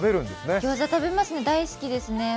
ギョーザ食べますね、大好きですね。